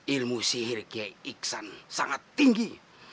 ilmu sihir kiai iksan sangat tinggi